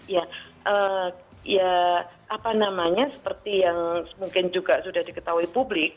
ya apa namanya seperti yang mungkin juga sudah diketahui publik